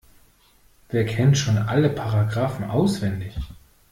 Wer kennt schon alle Paragraphen auswendig?